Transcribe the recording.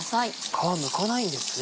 皮むかないんですね。